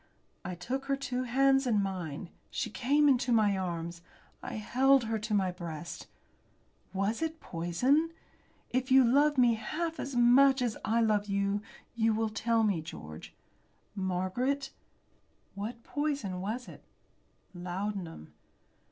I took her two hands in mine. She came into my arms. I held her to my breast. "Was it poison? If you love me half as much as I love you you will tell me, George." "Margaret!" "What poison was it?" "Laudanum!"